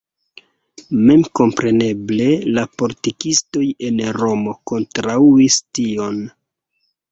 Memkompreneble la politikistoj en Romo kontraŭis tion.